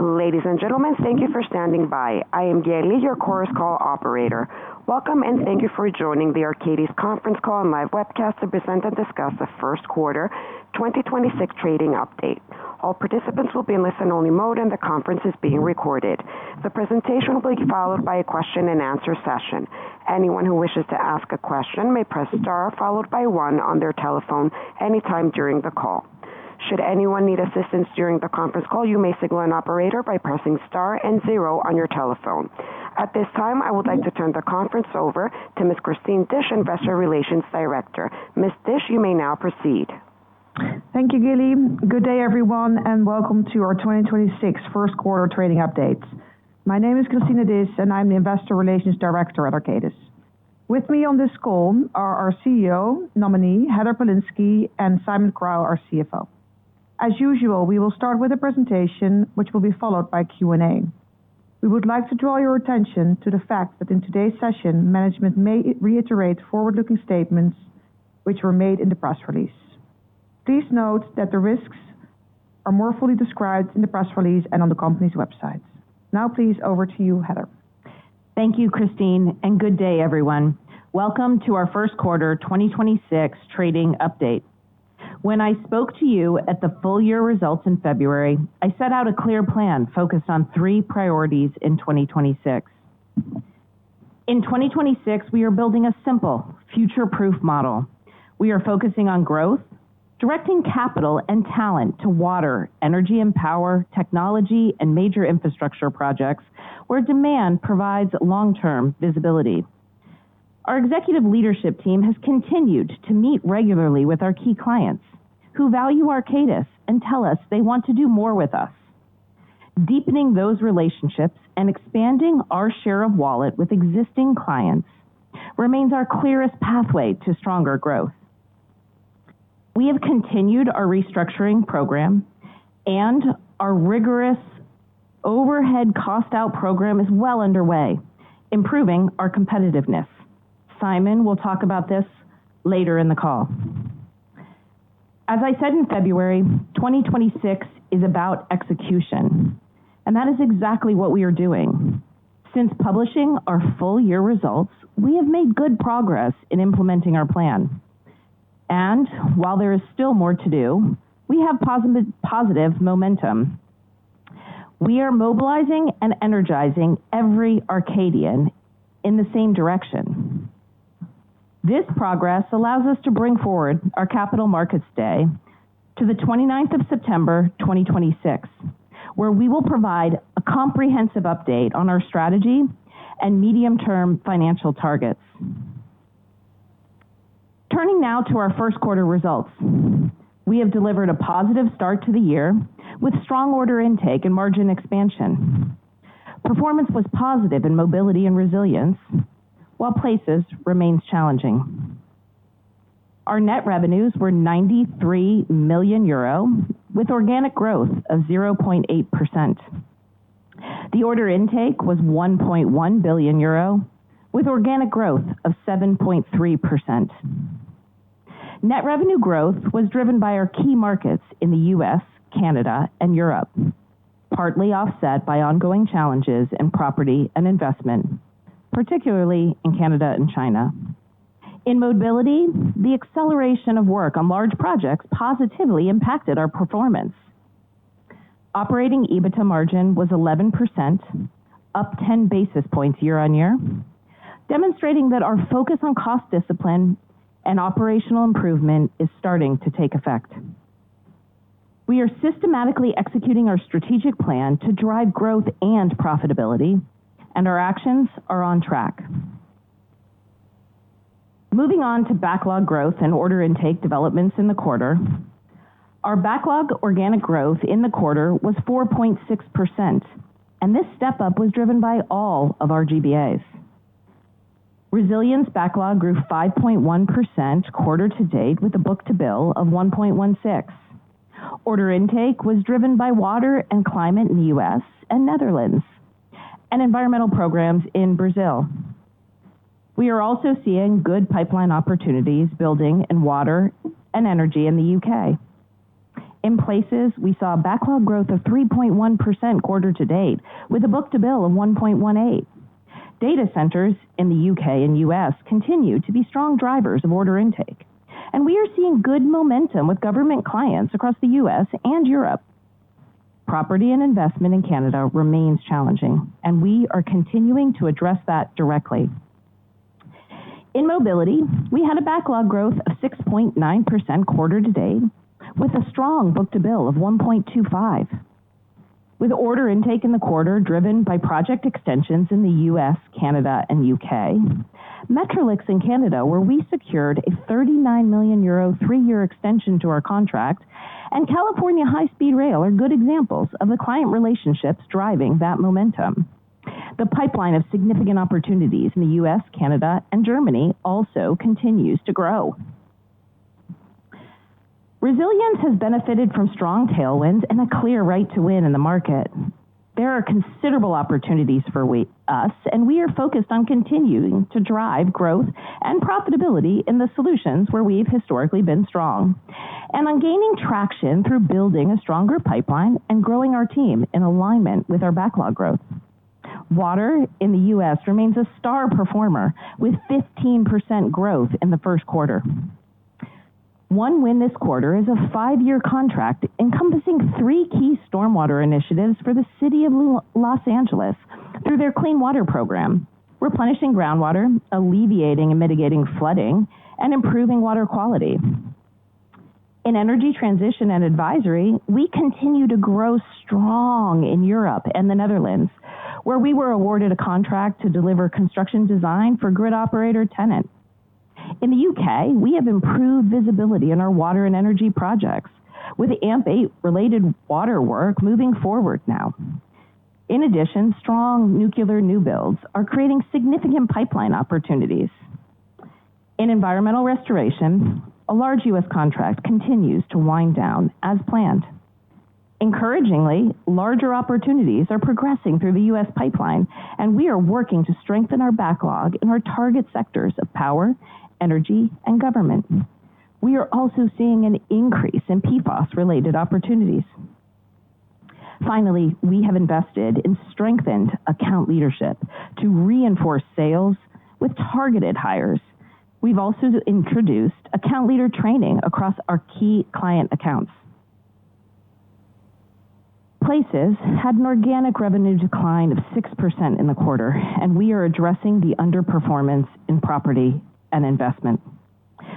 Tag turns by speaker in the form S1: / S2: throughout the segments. S1: Ladies and gentlemen, thank you for standing by. I am Geli, your Chorus Call operator. Welcome and thank you for joining the Arcadis conference call and live webcast to present and discuss the first quarter 2026 trading update. All participants will be in listen-only mode, and the conference is being recorded. The presentation will be followed by a question-and-answer session. Anyone who wishes to ask a question may press star followed by one on their telephone anytime during the call. Should anyone need assistance during the conference call, you may signal an operator by pressing star and zero on your telephone. At this time, I would like to turn the conference over to Ms. Christine Disch, Investor Relations Director. Ms. Disch, you may now proceed.
S2: Thank you, Geli. Good day, everyone, and welcome to our 2026 1st quarter trading update. My name is Christine Disch, and I'm the Investor Relations Director at Arcadis. With me on this call are our CEO nominee, Heather Polinsky, and Simon Crowe, our CFO. As usual, we will start with a presentation which will be followed by Q&A. We would like to draw your attention to the fact that in today's session, management may reiterate forward-looking statements which were made in the press release. Please note that the risks are more fully described in the press release and on the company's website. Now, please, over to you, Heather.
S3: Thank you, Christine. Good day, everyone. Welcome to our first quarter 2026 trading update. When I spoke to you at the full year results in February, I set out a clear plan focused on three priorities in 2026. In 2026, we are building a simple future-proof model. We are focusing on growth, directing capital and talent to water, energy and power, technology, and major infrastructure projects where demand provides long-term visibility. Our executive leadership team has continued to meet regularly with our key clients who value Arcadis and tell us they want to do more with us. Deepening those relationships and expanding our share of wallet with existing clients remains our clearest pathway to stronger growth. We have continued our restructuring program, and our rigorous overhead cost-out program is well underway, improving our competitiveness. Simon will talk about this later in the call. As I said in February, 2026 is about execution. That is exactly what we are doing. Since publishing our full-year results, we have made good progress in implementing our plan. While there is still more to do, we have positive momentum. We are mobilizing and energizing every Arcadian in the same direction. This progress allows us to bring forward our Capital Markets Day to September 29, 2026, where we will provide a comprehensive update on our strategy and medium-term financial targets. Turning now to our first quarter results. We have delivered a positive start to the year with strong order intake and margin expansion. Performance was positive in mobility and resilience, while places remains challenging. Our net revenues were 93 million euro with organic growth of 0.8%. The order intake was 1.1 billion euro with organic growth of 7.3%. Net revenue growth was driven by our key markets in the U.S., Canada, and Europe, partly offset by ongoing challenges in property and investment, particularly in Canada and China. In mobility, the acceleration of work on large projects positively impacted our performance. Operating EBITDA margin was 11%, up 10 basis points year-over-year, demonstrating that our focus on cost discipline and operational improvement is starting to take effect. We are systematically executing our strategic plan to drive growth and profitability. Our actions are on track. Moving on to backlog growth and order intake developments in the quarter. Our backlog organic growth in the quarter was 4.6%. This step-up was driven by all of our GBAs. Resilience backlog grew 5.1% quarter to date with a book-to-bill of 1.16. Order intake was driven by water and climate in the U.S. and Netherlands and environmental programs in Brazil. We are also seeing good pipeline opportunities building in water and energy in the U.K. In Places, we saw backlog growth of 3.1% quarter to date with a book-to-bill of 1.18. Data centers in the U.K. and U.S. continue to be strong drivers of order intake, and we are seeing good momentum with government clients across the U.S. and Europe. Property and Investment in Canada remains challenging, and we are continuing to address that directly. In mobility, we had a backlog growth of 6.9% quarter to date with a strong book-to-bill of 1.25, with order intake in the quarter driven by project extensions in the U.S., Canada, and U.K. Metrolinx in Canada, where we secured a 39 million euro three-year extension to our contract, and California High-Speed Rail are good examples of the client relationships driving that momentum. The pipeline of significant opportunities in the U.S., Canada, and Germany also continues to grow. Resilience has benefited from strong tailwinds and a clear right to win in the market. There are considerable opportunities for us, and we are focused on continuing to drive growth and profitability in the solutions where we've historically been strong. On gaining traction through building a stronger pipeline and growing our team in alignment with our backlog growth. Water in the U.S. remains a star performer, with 15% growth in the first quarter. One win this quarter is a 5-year contract encompassing three key stormwater initiatives for the City of Los Angeles through their Clean Water Program, replenishing groundwater, alleviating and mitigating flooding, and improving water quality. In energy transition and advisory, we continue to grow strong in Europe and the Netherlands, where we were awarded a contract to deliver construction design for grid operator TenneT. In the U.K., we have improved visibility in our water and energy projects, with AMP8-related water work moving forward now. In addition, strong nuclear new builds are creating significant pipeline opportunities. In environmental restorations, a large U.S. contract continues to wind down as planned. Encouragingly, larger opportunities are progressing through the U.S. pipeline, and we are working to strengthen our backlog in our target sectors of power, energy, and government. We are also seeing an increase in PFOS-related opportunities. We have invested in strengthened account leadership to reinforce sales with targeted hires. We've also introduced account leader training across our key client accounts. Places had an organic revenue decline of 6% in the quarter, and we are addressing the underperformance in property and investment.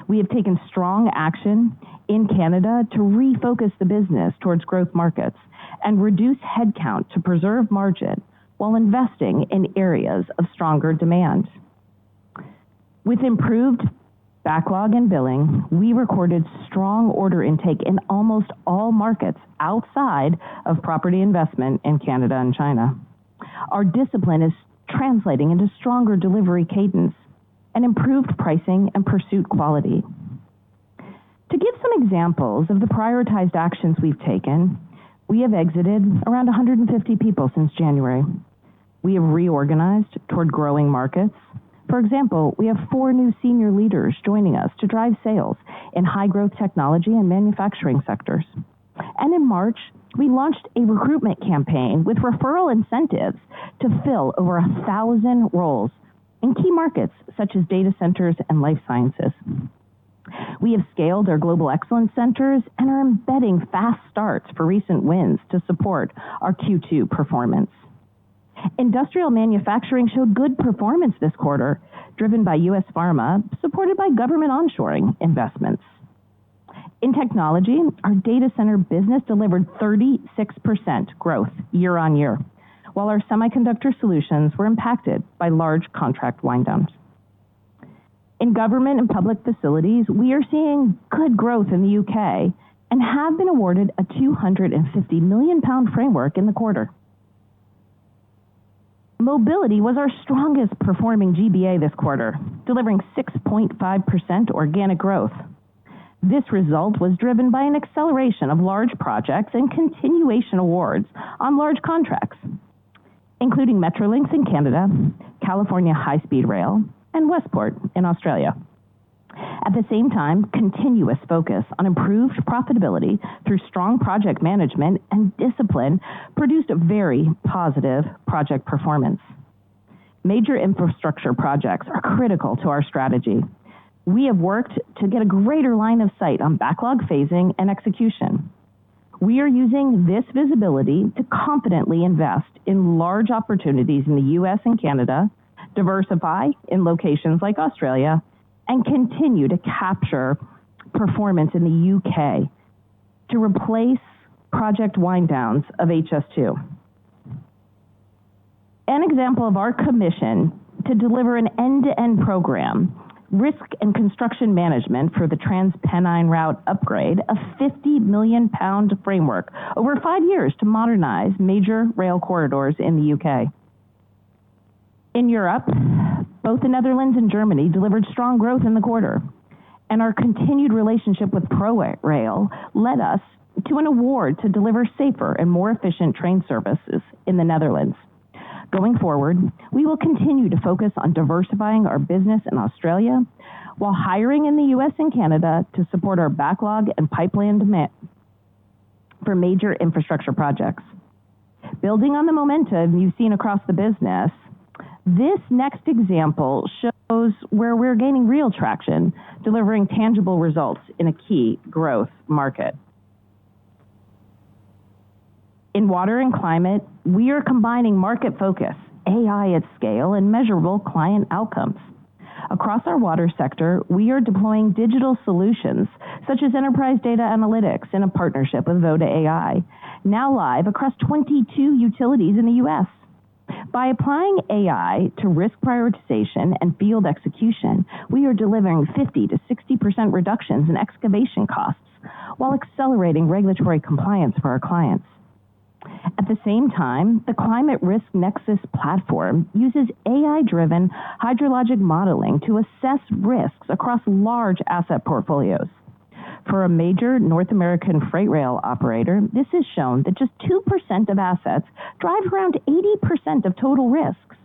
S3: We have taken strong action in Canada to refocus the business towards growth markets and reduce headcount to preserve margin while investing in areas of stronger demand. With improved backlog and billing, we recorded strong order intake in almost all markets outside of property investment in Canada and China. Our discipline is translating into stronger delivery cadence and improved pricing and pursuit quality. To give some examples of the prioritized actions we've taken, we have exited around 150 people since January. We have reorganized toward growing markets. For example, we have four new senior leaders joining us to drive sales in high-growth technology and manufacturing sectors. In March, we launched a recruitment campaign with referral incentives to fill over 1,000 roles in key markets such as data centers and life sciences. We have scaled our global excellence centers and are embedding fast starts for recent wins to support our Q2 performance. Industrial manufacturing showed good performance this quarter, driven by U.S. pharma, supported by government onshoring investments. In technology, our data center business delivered 36% growth year-over-year, while our semiconductor solutions were impacted by large contract wind downs. In government and public facilities, we are seeing good growth in the U.K. and have been awarded a 250 million pound framework in the quarter. Mobility was our strongest performing GBA this quarter, delivering 6.5% organic growth. This result was driven by an acceleration of large projects and continuation awards on large contracts, including Metrolinx in Canada, California High-Speed Rail, and Westport in Australia. At the same time, continuous focus on improved profitability through strong project management and discipline produced a very positive project performance. Major infrastructure projects are critical to our strategy. We have worked to get a greater line of sight on backlog phasing and execution. We are using this visibility to confidently invest in large opportunities in the U.S. and Canada, diversify in locations like Australia, and continue to capture performance in the U.K. to replace project wind downs of HS2. An example of our commission to deliver an end-to-end program, risk and construction management for the TransPennine route upgrade, a 50 million pound framework over five years to modernize major rail corridors in the U.K. In Europe, both the Netherlands and Germany delivered strong growth in the quarter, and our continued relationship with ProRail led us to an award to deliver safer and more efficient train services in the Netherlands. Going forward, we will continue to focus on diversifying our business in Australia while hiring in the U.S. and Canada to support our backlog and pipeline demand for major infrastructure projects. Building on the momentum you've seen across the business, this next example shows where we're gaining real traction, delivering tangible results in a key growth market. In water and climate, we are combining market focus, AI at scale, and measurable client outcomes. Across our water sector, we are deploying digital solutions such as enterprise data analytics in a partnership with Vaideo AI, now live across 22 utilities in the U.S. By applying AI to risk prioritization and field execution, we are delivering 50%-60% reductions in excavation costs while accelerating regulatory compliance for our clients. At the same time, the Climate Risk Nexus platform uses AI-driven hydrologic modeling to assess risks across large asset portfolios. For a major North American freight rail operator, this has shown that just 2% of assets drive around 80% of total risks,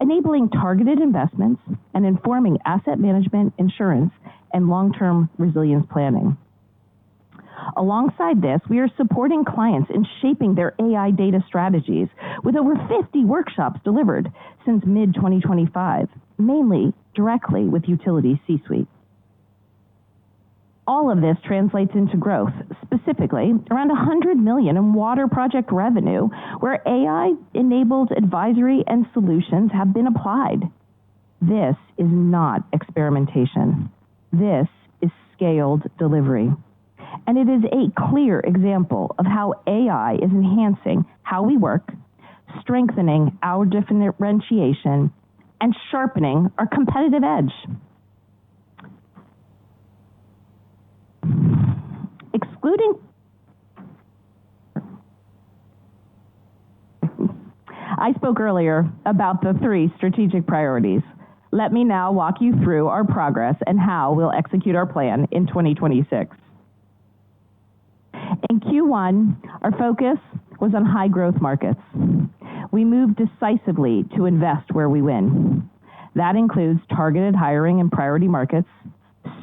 S3: enabling targeted investments and informing asset management, insurance, and long-term resilience planning. Alongside this, we are supporting clients in shaping their AI data strategies with over 50 workshops delivered since mid 2025, mainly directly with utility C-suites. All of this translates into growth, specifically around 100 million in water project revenue, where AI-enabled advisory and solutions have been applied. This is not experimentation. This is scaled delivery, it is a clear example of how AI is enhancing how we work, strengthening our differentiation, and sharpening our competitive edge. I spoke earlier about the 3 strategic priorities. Let me now walk you through our progress and how we'll execute our plan in 2026. In Q1, our focus was on high-growth markets. We moved decisively to invest where we win. That includes targeted hiring in priority markets,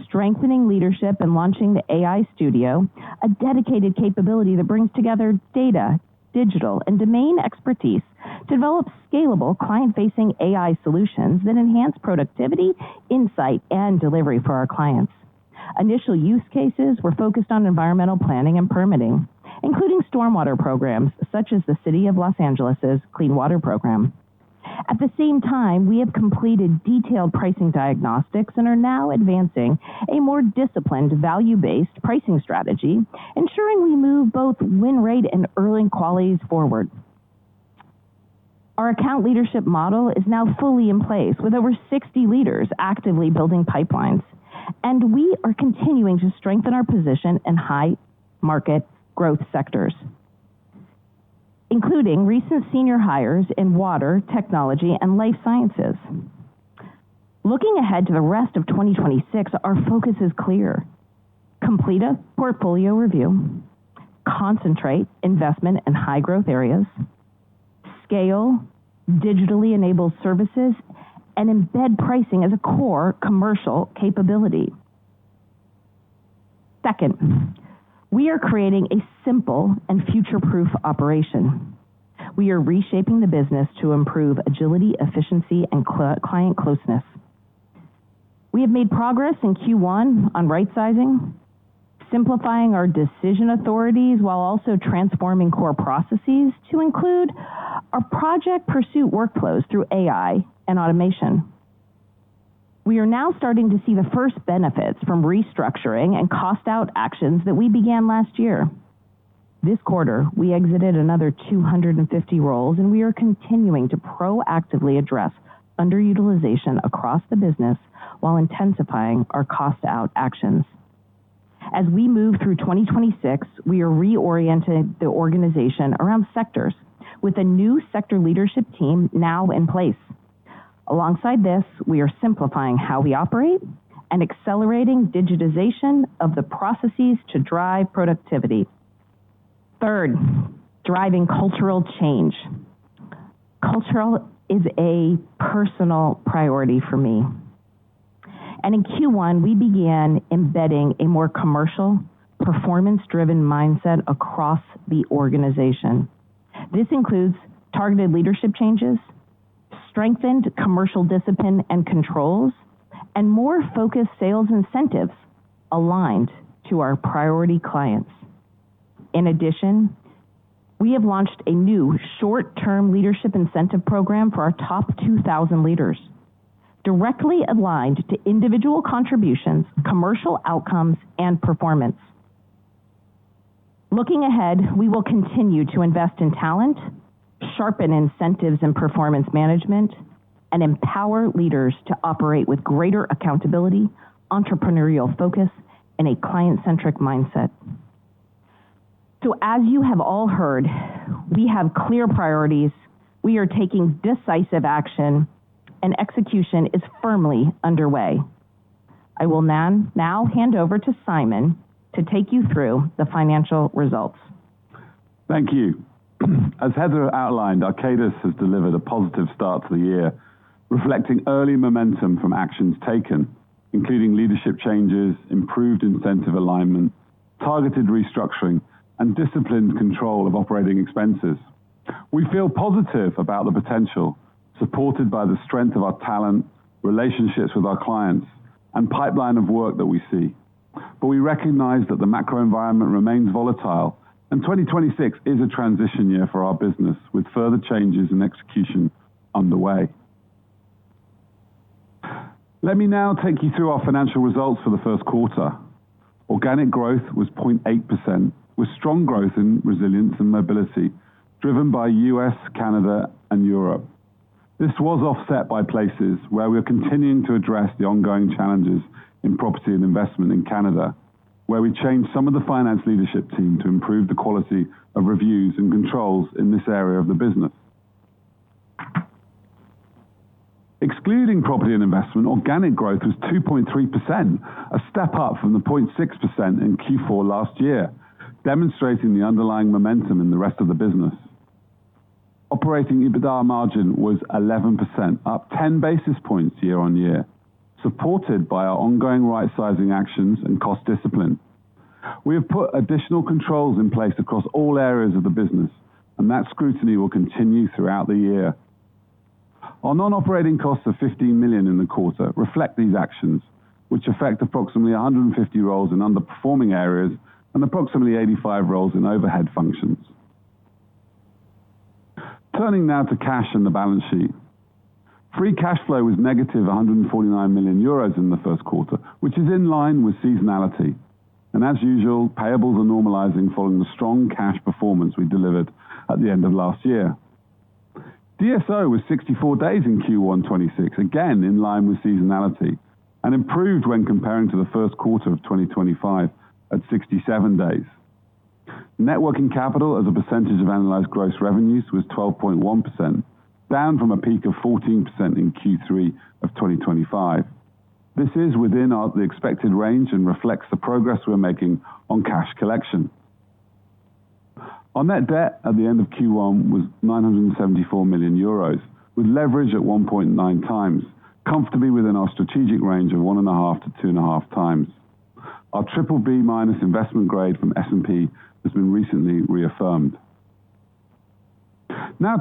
S3: strengthening leadership, and launching the AI Studio, a dedicated capability that brings together data, digital, and domain expertise to develop scalable client-facing AI solutions that enhance productivity, insight, and delivery for our clients. Initial use cases were focused on environmental planning and permitting, including stormwater programs such as the City of Los Angeles' Clean Water Program. At the same time, we have completed detailed pricing diagnostics and are now advancing a more disciplined value-based pricing strategy, ensuring we move both win rate and earning qualities forward. Our account leadership model is now fully in place, with over 60 leaders actively building pipelines, and we are continuing to strengthen our position in high market growth sectors, including recent senior hires in water, technology, and life sciences. Looking ahead to the rest of 2026, our focus is clear. Complete a portfolio review, concentrate investment in high-growth areas, scale digitally enabled services, and embed pricing as a core commercial capability. Second, we are creating a simple and future-proof operation. We are reshaping the business to improve agility, efficiency, and client closeness. We have made progress in Q1 on right-sizing, simplifying our decision authorities while also transforming core processes to include our project pursuit workflows through AI and automation. We are now starting to see the first benefits from restructuring and cost-out actions that we began last year. This quarter, we exited another 250 roles, and we are continuing to proactively address underutilization across the business while intensifying our cost-out actions. As we move through 2026, we are reorienting the organization around sectors with a new sector leadership team now in place. Alongside this, we are simplifying how we operate and accelerating digitization of the processes to drive productivity. Third, driving cultural change. Culture is a personal priority for me, and in Q1, we began embedding a more commercial, performance-driven mindset across the organization. This includes targeted leadership changes, strengthened commercial discipline and controls, and more focused sales incentives aligned to our priority clients. In addition, we have launched a new short-term leadership incentive program for our top 2,000 leaders directly aligned to individual contributions, commercial outcomes, and performance. Looking ahead, we will continue to invest in talent, sharpen incentives and performance management, and empower leaders to operate with greater accountability, entrepreneurial focus, and a client-centric mindset. As you have all heard, we have clear priorities. We are taking decisive action, and execution is firmly underway. I will now hand over to Simon to take you through the financial results.
S4: Thank you. As Heather outlined, Arcadis has delivered a positive start to the year, reflecting early momentum from actions taken, including leadership changes, improved incentive alignment, targeted restructuring, and disciplined control of operating expenses. We feel positive about the potential, supported by the strength of our talent, relationships with our clients, and pipeline of work that we see. We recognize that the macro environment remains volatile, and 2026 is a transition year for our business, with further changes in execution underway. Let me now take you through our financial results for the first quarter. Organic growth was 0.8%, with strong growth in resilience and mobility driven by U.S., Canada, and Europe. This was offset by places where we're continuing to address the ongoing challenges in property and investment in Canada, where we changed some of the finance leadership team to improve the quality of reviews and controls in this area of the business. Excluding property and investment, organic growth was 2.3%, a step up from the 0.6% in Q4 last year, demonstrating the underlying momentum in the rest of the business. Operating EBITDA margin was 11%, up 10 basis points year-on-year, supported by our ongoing rightsizing actions and cost discipline. We have put additional controls in place across all areas of the business. That scrutiny will continue throughout the year. Our non-operating costs of 15 million in the quarter reflect these actions, which affect approximately 150 roles in underperforming areas and approximately 85 roles in overhead functions. Turning now to cash and the balance sheet. Free cash flow was negative 149 million euros in the first quarter, which is in line with seasonality. As usual, payables are normalizing following the strong cash performance we delivered at the end of last year. DSO was 64 days in Q1 2026, again in line with seasonality, and improved when comparing to the first quarter of 2025 at 67 days. Net working capital as a percentage of analyzed gross revenues was 12.1%, down from a peak of 14% in Q3 2025. This is within the expected range and reflects the progress we're making on cash collection. Our net debt at the end of Q1 was 974 million euros, with leverage at 1.9 times, comfortably within our strategic range of 1.5-2.5 times. Our BBB- investment grade from S&P has been recently reaffirmed.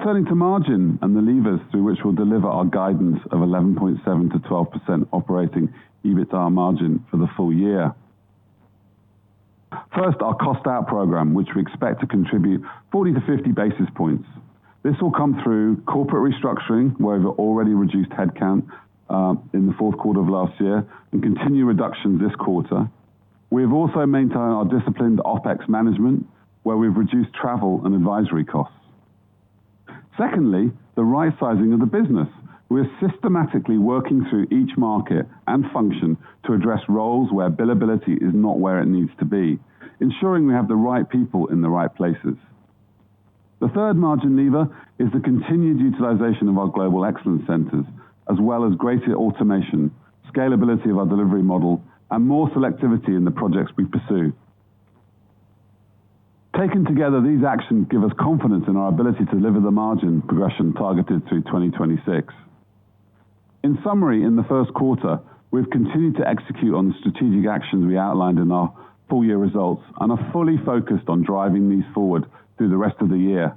S4: Turning to margin and the levers through which we'll deliver our guidance of 11.7%-12% operating EBITA margin for the full year. First, our cost out program, which we expect to contribute 40-50 basis points. This will come through corporate restructuring, where we've already reduced headcount in the fourth quarter of last year and continue reduction this quarter. We have also maintained our disciplined OpEx management, where we've reduced travel and advisory costs. Secondly, the rightsizing of the business. We are systematically working through each market and function to address roles where billability is not where it needs to be, ensuring we have the right people in the right places. The third margin lever is the continued utilization of our global excellence centers, as well as greater automation, scalability of our delivery model, and more selectivity in the projects we pursue. Taken together, these actions give us confidence in our ability to deliver the margin progression targeted through 2026. In summary, in the first quarter, we've continued to execute on the strategic actions we outlined in our full year results and are fully focused on driving these forward through the rest of the year.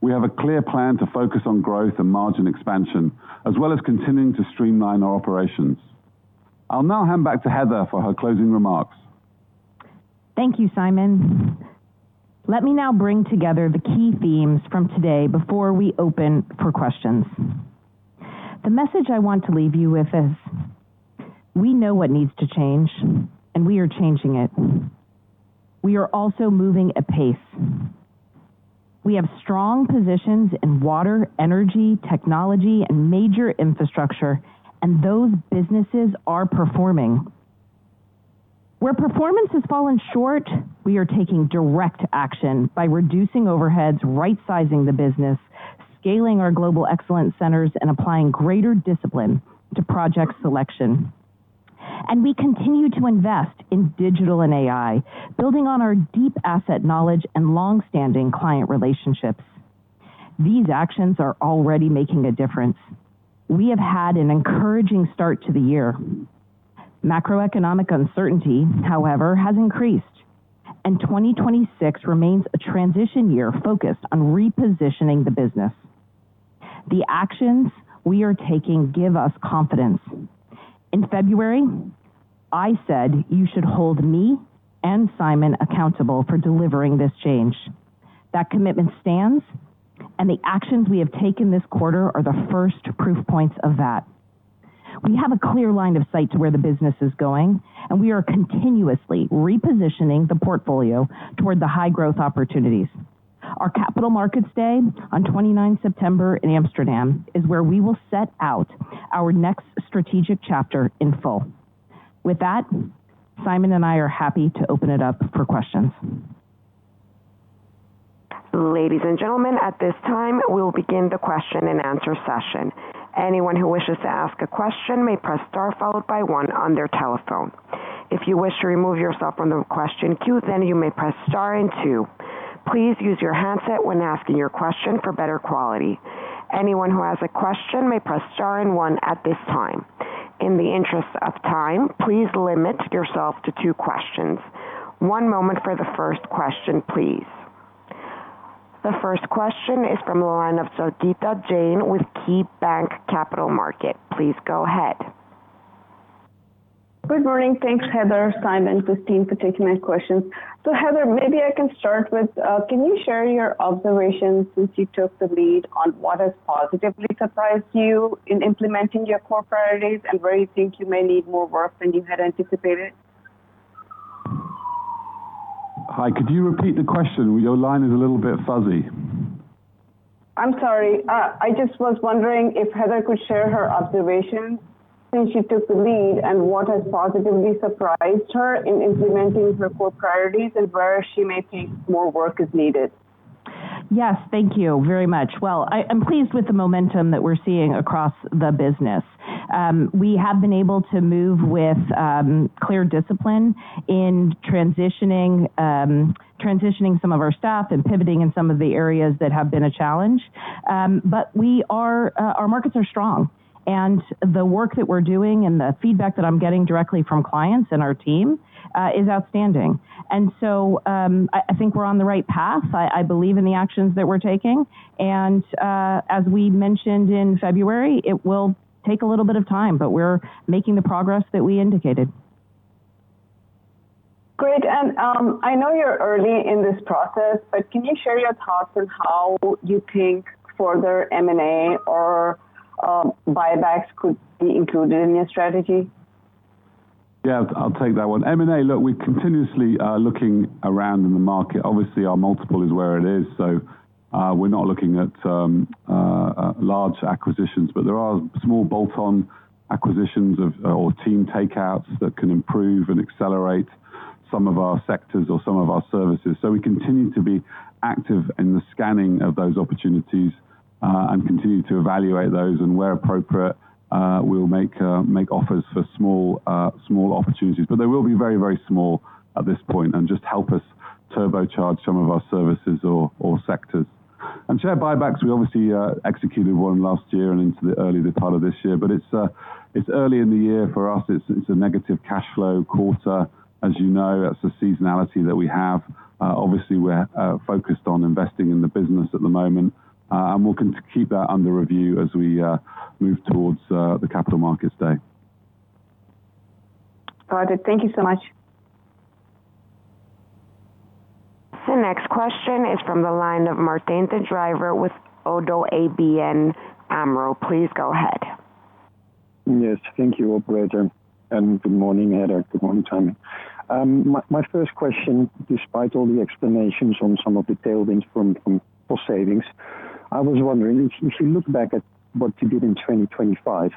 S4: We have a clear plan to focus on growth and margin expansion, as well as continuing to streamline our operations. I'll now hand back to Heather for her closing remarks.
S3: Thank you, Simon. Let me now bring together the key themes from today before we open for questions. The message I want to leave you with is we know what needs to change, and we are changing it. We are also moving at pace. We have strong positions in water, energy, technology, and major infrastructure, and those businesses are performing. Where performance has fallen short, we are taking direct action by reducing overheads, rightsizing the business, scaling our Global Excellence Centers, and applying greater discipline to project selection. We continue to invest in digital and AI, building on our deep asset knowledge and long-standing client relationships. These actions are already making a difference. We have had an encouraging start to the year. Macroeconomic uncertainty, however, has increased, and 2026 remains a transition year focused on repositioning the business. The actions we are taking give us confidence. In February, I said you should hold me and Simon accountable for delivering this change. That commitment stands, and the actions we have taken this quarter are the first proof points of that. We have a clear line of sight to where the business is going, and we are continuously repositioning the portfolio toward the high-growth opportunities. Our Capital Markets Day on 29 September in Amsterdam is where we will set out our next strategic chapter in full. With that, Simon and I are happy to open it up for questions.
S1: Ladies and gentlemen, at this time, we will begin the question-and-answer session. Anyone who wishes to ask a question may press star followed by one on their telephone. If you wish to remove yourself from the question queue, then you may press star and two. Please use your handset when asking your question for better quality. Anyone who has a question may press star and one at this time. In the interest of time, please limit yourself to two questions. one moment for the first question, please. The first question is from the line of Sangita Jain with KeyBank Capital Markets. Please go ahead.
S5: Good morning. Thanks, Heather, Simon, Christine, for taking my questions. Heather, maybe I can start with, can you share your observations since you took the lead on what has positively surprised you in implementing your core priorities and where you think you may need more work than you had anticipated?
S4: Hi. Could you repeat the question? Your line is a little bit fuzzy.
S5: I'm sorry. I just was wondering if Heather could share her observations since she took the lead and what has positively surprised her in implementing her core priorities and where she may think more work is needed.
S3: Yes. Thank you very much. I'm pleased with the momentum that we're seeing across the business. We have been able to move with clear discipline in transitioning some of our staff and pivoting in some of the areas that have been a challenge. Our markets are strong, and the work that we're doing and the feedback that I'm getting directly from clients and our team is outstanding. I think we're on the right path. I believe in the actions that we're taking. As we'd mentioned in February, it will take a little bit of time, but we're making the progress that we indicated.
S5: Great. I know you're early in this process, but can you share your thoughts on how you think further M&A or buybacks could be included in your strategy?
S4: Yeah, I'll take that one. M&A, look, we're continuously looking around in the market. Obviously, our multiple is where it is, we're not looking at large acquisitions. There are small bolt-on acquisitions of, or team takeouts that can improve and accelerate some of our sectors or some of our services. We continue to be active in the scanning of those opportunities and continue to evaluate those. Where appropriate, we'll make offers for small opportunities. They will be very, very small at this point, and just help us turbocharge some of our services or sectors. Share buybacks, we obviously executed one last year and into the early part of this year. It's early in the year for us. It's a negative cash flow quarter. As you know, that's a seasonality that we have. Obviously, we're focused on investing in the business at the moment. We'll keep that under review as we move towards the Capital Markets Day.
S5: Got it. Thank you so much.
S1: The next question is from the line of Martijn den Drijver with Oddo ABN AMRO, please go ahead.
S6: Yes, thank you, operator. Good morning, Heather. Good morning, Simon. My first question, despite all the explanations on some of the tailwinds from cost savings, I was wondering, if you look back at what you did in 2025,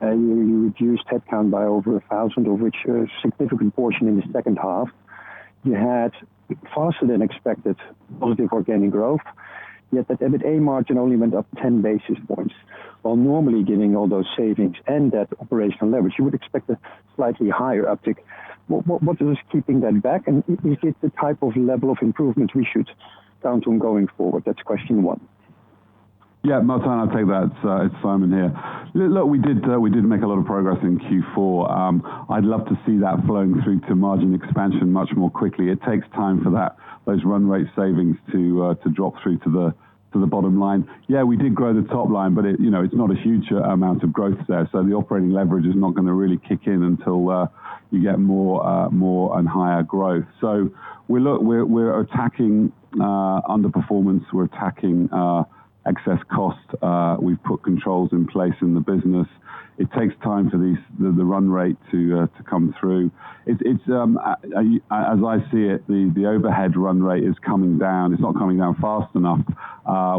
S6: you reduced headcount by over 1,000, of which a significant portion in the second half. You had faster than expected positive organic growth, yet that EBITA margin only went up 10 basis points. While normally getting all those savings and that operational leverage, you would expect a slightly higher uptick. What is keeping that back? Is it the type of level of improvement we should count on going forward? That's question one.
S4: Yeah, Martijn, I'll take that. It's Simon here. Look, we did make a lot of progress in Q4. I'd love to see that flowing through to margin expansion much more quickly. It takes time for that, those run rate savings to drop through to the bottom line. Yeah, we did grow the top line, it, you know, it's not a huge amount of growth there. The operating leverage is not gonna really kick in until you get more, more and higher growth. We're attacking underperformance. We're attacking excess costs. We've put controls in place in the business. It takes time for these, the run rate to come through. It's as I see it, the overhead run rate is coming down. It's not coming down fast enough.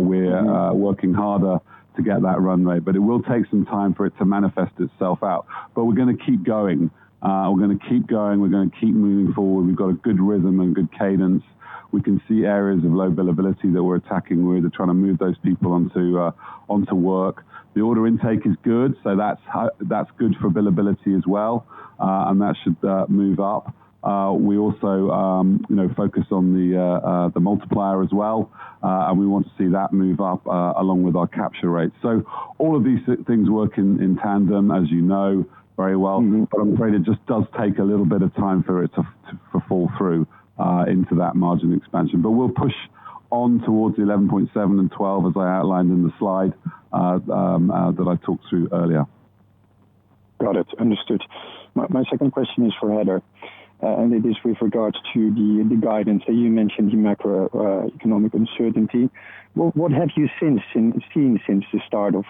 S4: We're working harder to get that run rate, but it will take some time for it to manifest itself out. We're gonna keep going. We're gonna keep moving forward. We've got a good rhythm and good cadence. We can see areas of low billability that we're attacking. We're trying to move those people onto work. The order intake is good, that's good for billability as well. That should move up. We also, you know, focus on the multiplier as well. We want to see that move up along with our capture rate. All of these things work in tandem, as you know very well.
S6: Mm-hmm.
S4: I'm afraid it just does take a little bit of time for it to full through into that margin expansion. We'll push on towards the 11.7 and 12, as I outlined in the slide that I talked through earlier.
S6: Got it. Understood. My second question is for Heather, and it is with regards to the guidance. You mentioned the macro economic uncertainty. What have you since seen since the start of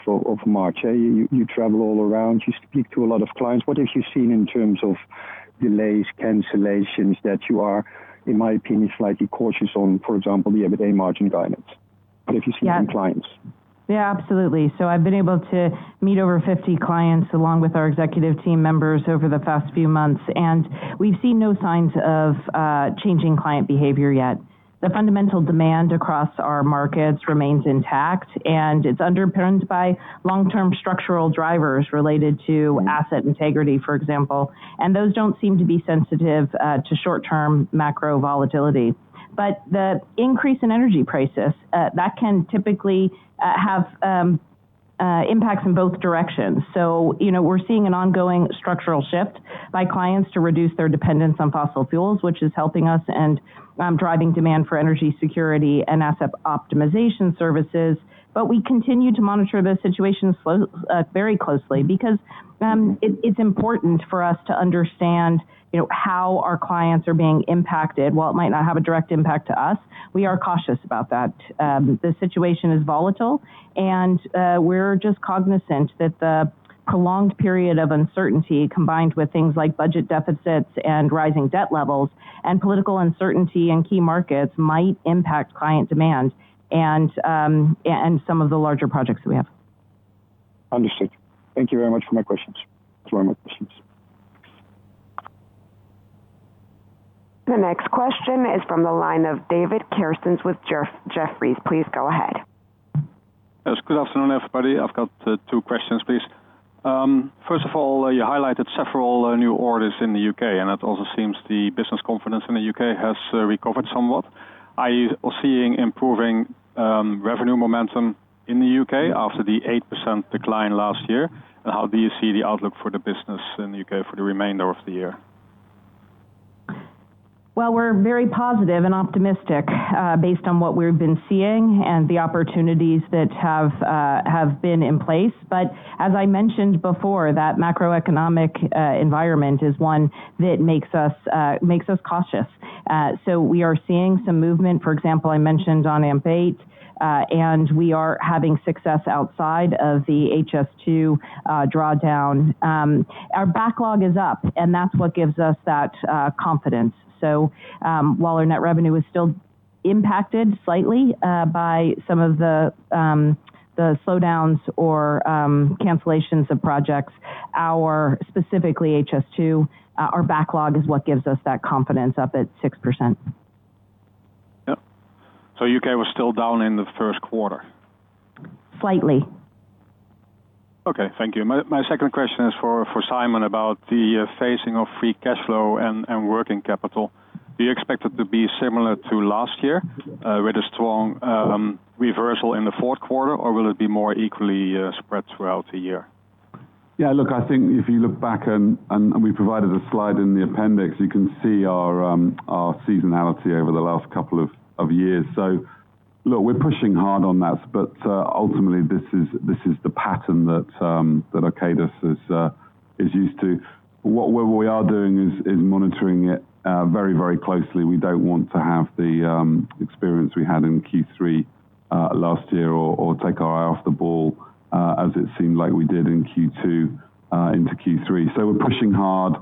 S6: March? You travel all around, you speak to a lot of clients. What have you seen in terms of delays, cancellations that you are, in my opinion, slightly cautious on, for example, the EBITA margin guidance? What have you seen from clients?
S3: Yeah, absolutely. I've been able to meet over 50 clients along with our executive team members over the past few months, and we've seen no signs of changing client behavior yet. The fundamental demand across our markets remains intact, and it's underpinned by long-term structural drivers related to asset integrity, for example. Those don't seem to be sensitive to short-term macro volatility. The increase in energy prices that can typically have impacts in both directions. You know, we're seeing an ongoing structural shift by clients to reduce their dependence on fossil fuels, which is helping us and driving demand for energy security and asset optimization services. We continue to monitor the situation very closely because it's important for us to understand, you know, how our clients are being impacted. While it might not have a direct impact to us, we are cautious about that. The situation is volatile, and we're just cognizant that the prolonged period of uncertainty, combined with things like budget deficits and rising debt levels and political uncertainty in key markets, might impact client demand and some of the larger projects we have.
S6: Understood. Thank you very much for my questions. Those were all my questions.
S1: The next question is from the line of David Kerstens with Jefferies. Please go ahead.
S7: Good afternoon, everybody. I've got two questions, please. First of all, you highlighted several new orders in the U.K., and it also seems the business confidence in the U.K. has recovered somewhat. Are you also seeing improving revenue momentum in the U.K. after the 8% decline last year? How do you see the outlook for the business in the U.K. for the remainder of the year?
S3: We're very positive and optimistic, based on what we've been seeing and the opportunities that have been in place. As I mentioned before, that macroeconomic environment is one that makes us cautious. We are seeing some movement. For example, I mentioned on AMP8, we are having success outside of the HS2 drawdown. Our backlog is up, that's what gives us that confidence. While our net revenue is still impacted slightly, by some of the slowdowns or cancellations of projects, specifically HS2, our backlog is what gives us that confidence up at 6%.
S7: Yep. U.K. was still down in the first quarter?
S3: Slightly.
S7: Okay, thank you. My second question is for Simon about the phasing of free cash flow and working capital. Do you expect it to be similar to last year, with a strong reversal in the fourth quarter, or will it be more equally spread throughout the year?
S4: Yeah, look, I think if you look back, and we provided a slide in the appendix, you can see our seasonality over the last couple of years. Look, we're pushing hard on that, but ultimately, this is the pattern that Arcadis is used to. What we are doing is monitoring it very closely. We don't want to have the experience we had in Q3 last year or take our eye off the ball as it seemed like we did in Q2 into Q3. We're pushing hard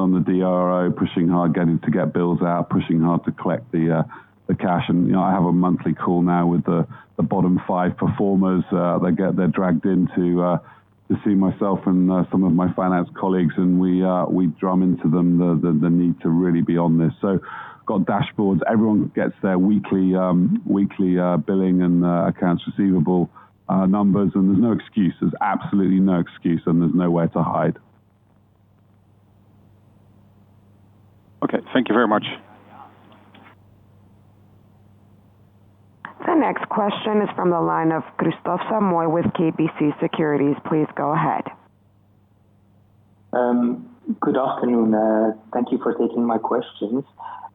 S4: on the DSO, pushing hard getting to get bills out, pushing hard to collect the cash. You know, I have a monthly call now with the bottom five performers. They're dragged in to see myself and some of my finance colleagues, and we drum into them the need to really be on this. Got dashboards. Everyone gets their weekly billing and accounts receivable numbers, and there's no excuses, absolutely no excuse, and there's nowhere to hide.
S7: Okay. Thank you very much.
S1: The next question is from the line of Kristof Samoy with KBC Securities. Please go ahead.
S8: Good afternoon. Thank you for taking my questions.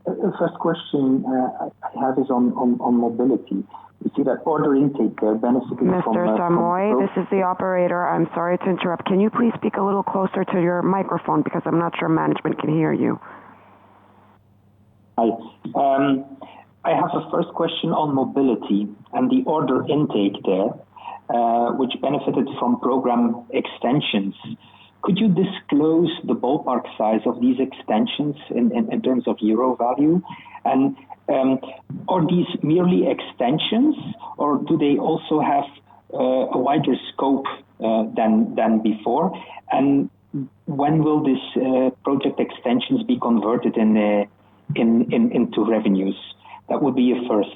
S8: The first question I have is on mobility. We see that order intake benefiting from-
S1: Mr. Samoy, this is the operator. I'm sorry to interrupt. Can you please speak a little closer to your microphone? Because I'm not sure management can hear you.
S8: Hi. I have a first question on mobility and the order intake there, which benefited from program extensions. Could you disclose the ballpark size of these extensions in terms of EUR value? Are these merely extensions, or do they also have a wider scope than before? When will these project extensions be converted into revenues? That would be your first,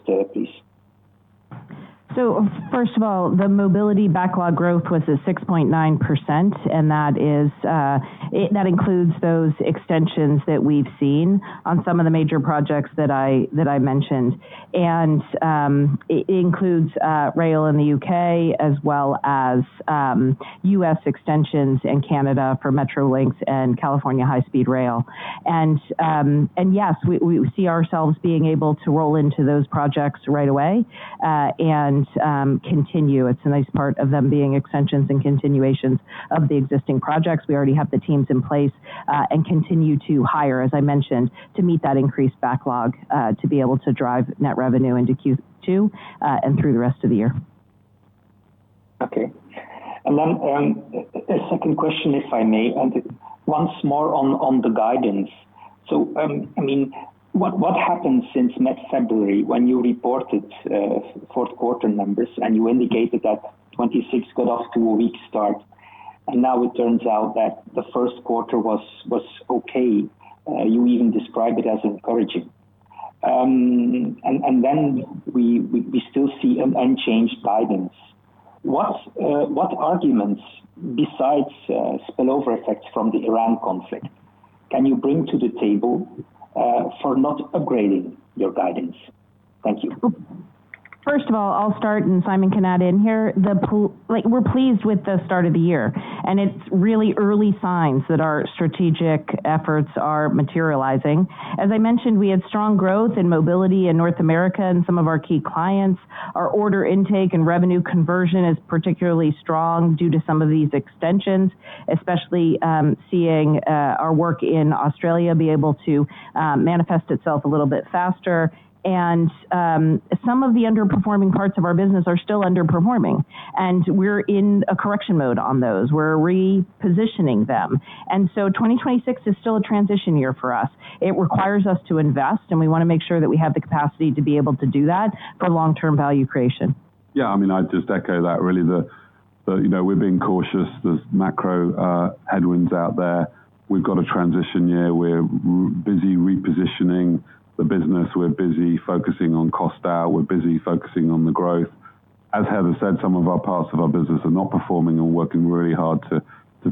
S8: please.
S3: First of all, the mobility backlog growth was at 6.9%, and that includes those extensions that we've seen on some of the major projects that I mentioned. It includes rail in the U.K. as well as U.S. extensions and Canada for Metrolinx and California High-Speed Rail. We see ourselves being able to roll into those projects right away and continue. It's a nice part of them being extensions and continuations of the existing projects. We already have the teams in place and continue to hire, as I mentioned, to meet that increased backlog to be able to drive net revenue into Q2 and through the rest of the year.
S8: Okay. A second question, if I may, and once more on the guidance. I mean, what happened since mid-February when you reported fourth quarter numbers and you indicated that 2026 got off to a weak start, and now it turns out that the first quarter was okay. You even described it as encouraging. We still see an unchanged guidance. What arguments besides spillover effects from the Iran conflict can you bring to the table for not upgrading your guidance? Thank you.
S3: First of all, I'll start. Simon can add in here. Like, we're pleased with the start of the year, and it's really early signs that our strategic efforts are materializing. As I mentioned, we had strong growth in mobility in North America and some of our key clients. Our order intake and revenue conversion is particularly strong due to some of these extensions, especially seeing our work in Australia be able to manifest itself a little bit faster. Some of the underperforming parts of our business are still underperforming, and we're in a correction mode on those. We're repositioning them. 2026 is still a transition year for us. It requires us to invest, and we wanna make sure that we have the capacity to be able to do that for long-term value creation.
S4: Yeah. I mean, I'd just echo that really. You know, we're being cautious. There's macro headwinds out there. We've got a transition year. We're busy repositioning the business. We're busy focusing on cost out. We're busy focusing on the growth. As Heather said, some of our parts of our business are not performing, and we're working really hard to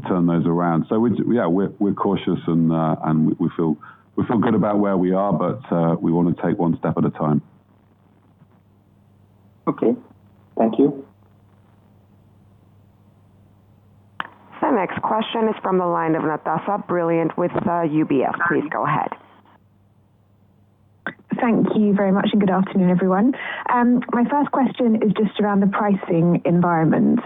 S4: turn those around. Yeah, we're cautious and we feel good about where we are, but we wanna take one step at a time.
S8: Okay. Thank you.
S1: The next question is from the line of Natasha Brilliant with, UBS. Please go ahead.
S9: Thank you very much. Good afternoon, everyone. My first question is just around the pricing environment.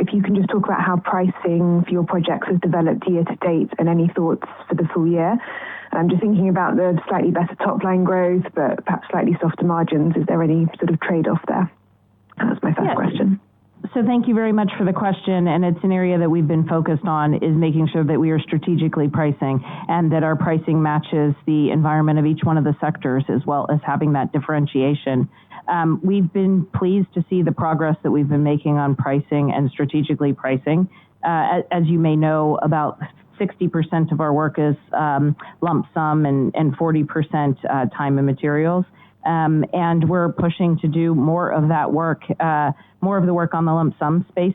S9: If you can just talk about how pricing for your projects has developed year to date and any thoughts for the full year. I'm just thinking about the slightly better top-line growth, but perhaps slightly softer margins. Is there any sort of trade-off there? That was my first question.
S3: Yes. Thank you very much for the question, and it's an area that we've been focused on is making sure that we are strategically pricing and that our pricing matches the environment of each one of the sectors as well as having that differentiation. We've been pleased to see the progress that we've been making on pricing and strategically pricing. As you may know, about 60% of our work is lump sum and 40% time and materials. We're pushing to do more of that work, more of the work on the lump sum space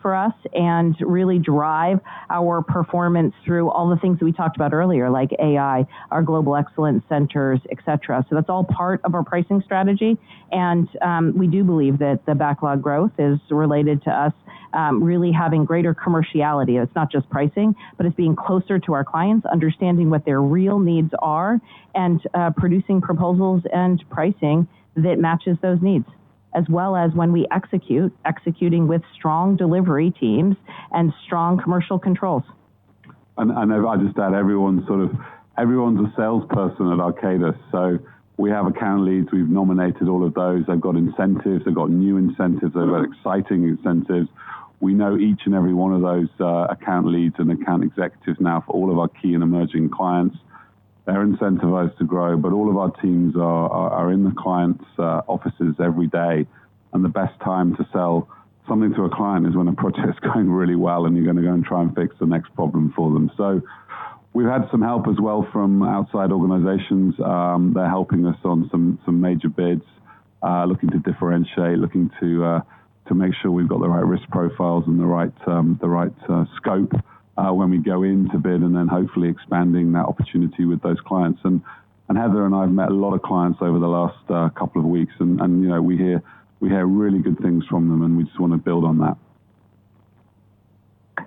S3: for us and really drive our performance through all the things that we talked about earlier, like AI, our Global Excellence Centers, et cetera. That's all part of our pricing strategy. We do believe that the backlog growth is related to us really having greater commerciality. It's not just pricing, but it's being closer to our clients, understanding what their real needs are, and producing proposals and pricing that matches those needs. As well as when we execute, executing with strong delivery teams and strong commercial controls.
S4: I just add everyone's a salesperson at Arcadis, so we have account leads. We've nominated all of those. They've got incentives. They've got new incentives. They've got exciting incentives. We know each and every one of those account leads and account executives now for all of our key and emerging clients. They're incentivized to grow, but all of our teams are in the clients' offices every day. The best time to sell something to a client is when a project's going really well and you're gonna go and try and fix the next problem for them. We've had some help as well from outside organizations. They're helping us on some major bids, looking to differentiate, looking to make sure we've got the right risk profiles and the right scope, when we go into bid and then hopefully expanding that opportunity with those clients. Heather and I have met a lot of clients over the last couple of weeks and, you know, we hear really good things from them, and we just wanna build on that.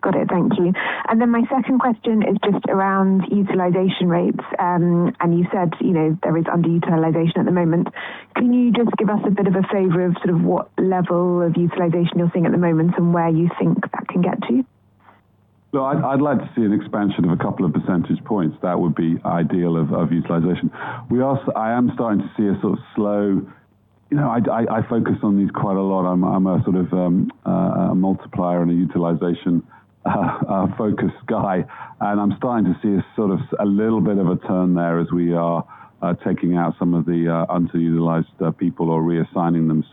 S9: Got it. Thank you. My second question is just around utilization rates. You said, you know, there is underutilization at the moment. Can you just give us a bit of a flavor of sort of what level of utilization you're seeing at the moment and where you think that can get to?
S4: I'd like to see an expansion of a couple of percentage points. That would be ideal of utilization. I am starting to see. You know, I'd focus on these quite a lot. I'm a sort of a multiplier and a utilization focused guy, and I'm starting to see a sort of a little bit of a turn there as we are taking out some of the underutilized people or reassigning them.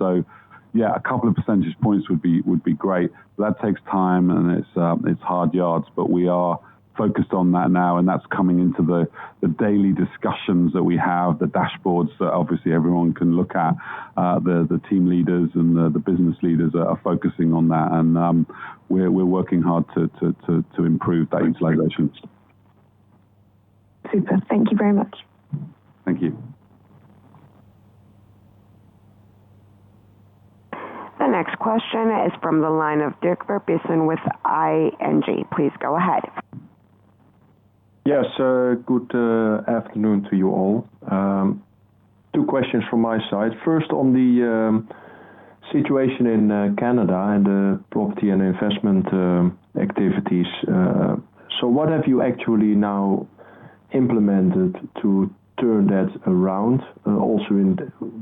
S4: Yeah, a couple of percentage points would be great. That takes time, and it's hard yards, but we are focused on that now, and that's coming into the daily discussions that we have, the dashboards that obviously everyone can look at. The team leaders and the business leaders are focusing on that and, we're working hard to improve that utilization.
S9: Super. Thank you very much.
S4: Thank you.
S1: The next question is from the line of Dirk Verbiest with ING. Please go ahead.
S10: Yes, good afternoon to you all. Two questions from my side. First, on the situation in Canada and the property and investment activities. What have you actually now implemented to turn that around, also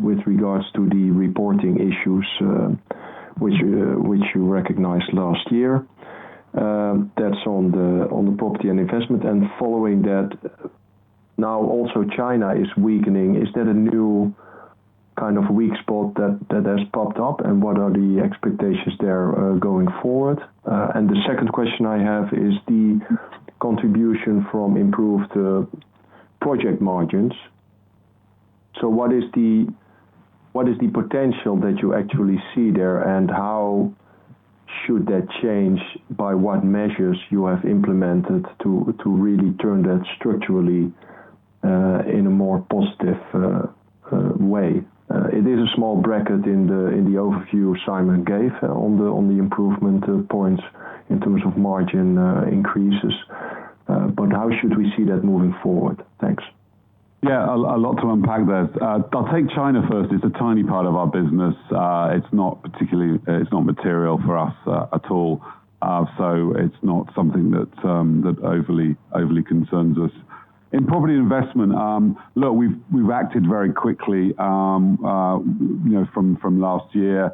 S10: with regards to the reporting issues, which you recognized last year? That's on the property and investment. Following that, now also China is weakening. Is that a new kind of weak spot that has popped up? What are the expectations there going forward? The second question I have is the contribution from improved project margins. What is the potential that you actually see there, and how should that change by what measures you have implemented to really turn that structurally in a more positive way? It is a small bracket in the overview Simon gave on the improvement points in terms of margin increases. How should we see that moving forward? Thanks.
S4: A lot to unpack there. I'll take China first. It's a tiny part of our business. It's not material for us at all. It's not something that overly concerns us. In property investment, look, we've acted very quickly, you know, from last year.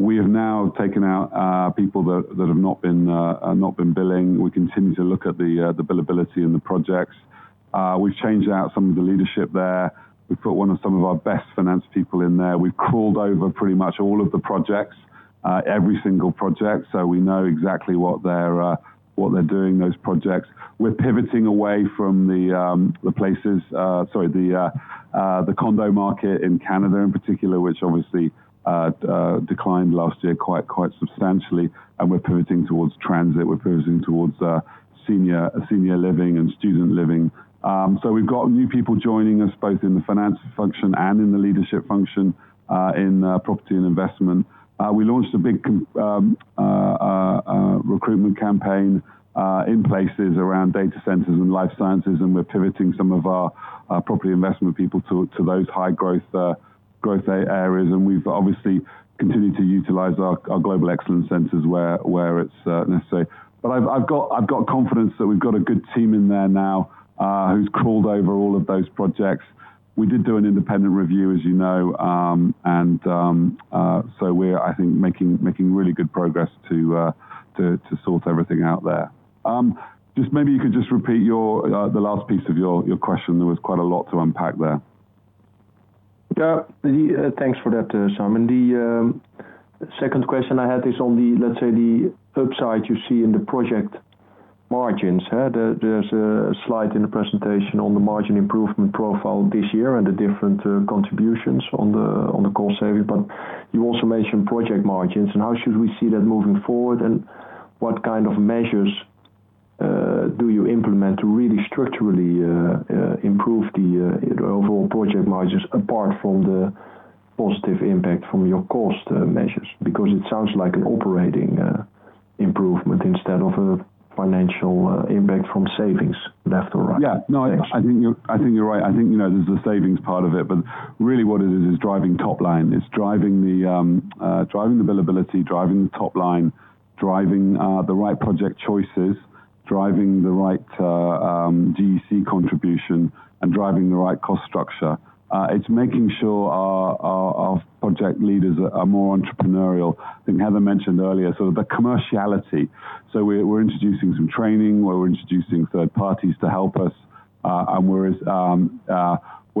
S4: We have now taken out people that have not been billing. We continue to look at the billability and the projects. We've changed out some of the leadership there. We put some of our best finance people in there. We've crawled over pretty much all of the projects, every single project, we know exactly what they're doing, those projects. We're pivoting away from the places, sorry, the condo market in Canada in particular, which obviously declined last year quite substantially. We're pivoting towards transit. We're pivoting towards senior living and student living. We've got new people joining us both in the finance function and in the leadership function in property and investment. We launched a big recruitment campaign in places around data centers and life sciences. We're pivoting some of our property investment people to those high growth areas. We've obviously continued to utilize our Global Excellence Centers where it's necessary. I've got confidence that we've got a good team in there now who's crawled over all of those projects. We did do an independent review, as you know. We're I think making really good progress to sort everything out there. Just maybe you could just repeat your the last piece of your question. There was quite a lot to unpack there.
S10: Yeah. Thanks for that, Simon. The second question I had is on the, let's say, the upside you see in the project margins. There, there's a slide in the presentation on the margin improvement profile this year and the different contributions on the cost saving. You also mentioned project margins, and how should we see that moving forward, and what kind of measures do you implement to really structurally improve the overall project margins apart from the positive impact from your cost measures? Because it sounds like an operating improvement instead of a financial impact from savings left or right.
S4: No, I think you're right. I think, you know, there's a savings part of it, but really what it is driving top line. It's driving the billability, driving the top line, driving the right project choices, driving the right GEC contribution, and driving the right cost structure. It's making sure our project leaders are more entrepreneurial. I think Heather mentioned earlier, the commerciality. We're introducing some training. We're introducing third parties to help us, and we're